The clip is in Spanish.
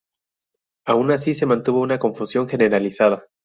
Aun así se mantuvo una confusión generalizada.